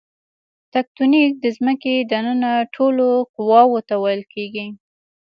تکتونیک د ځمکې دننه ټولو قواوو ته ویل کیږي.